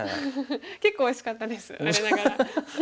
結構おいしかったです我ながら。